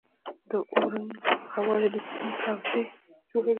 د اورینوکو هوارې د سیند حوزه جوړوي.